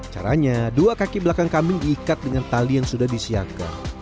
caranya dua kaki belakang kambing diikat dengan tali yang sudah disiapkan